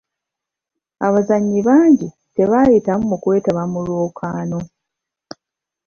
Abazannyi bangi tebaayitamu mu kwetaba mu lwokaano.